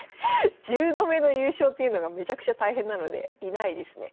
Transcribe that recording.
１０度目の優勝っていうのがめちゃくちゃ大変なのでいないですね。